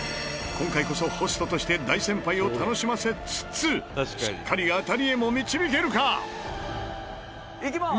今回こそホストとして大先輩を楽しませつつしっかり当たりへも導けるか！？